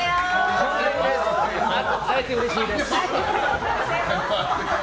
会えてうれしいです。